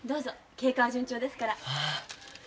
経過は順調ですから。